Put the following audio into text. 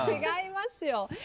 違いますよ！